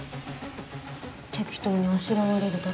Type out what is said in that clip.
適当にあしらわれるだけ？